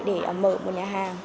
để mở một nhà hàng